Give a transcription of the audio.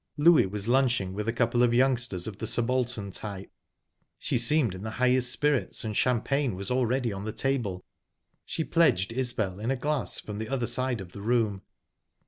Louie was lunching with a couple of youngsters of the subaltern type; she seemed in the highest spirits, and champagne was already on the table. She pledged Isbel in a glass from the other side of the room.